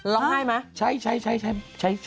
ลองไห้มั้ย